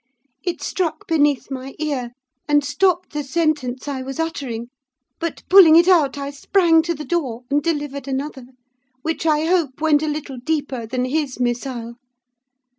It struck beneath my ear, and stopped the sentence I was uttering; but, pulling it out, I sprang to the door and delivered another; which I hope went a little deeper than his missile.